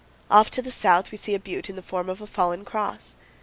Off to the south we see a butte in the form of a fallen cross.